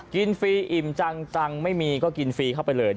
กินฟรีอิ่มจังจังไม่มีก็กินฟรีเข้าไปเลยนะฮะ